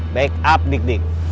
back up dik dik